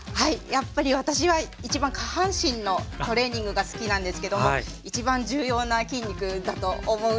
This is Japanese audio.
やっぱり私は一番下半身のトレーニングが好きなんですけども一番重要な筋肉だと思うんですよ。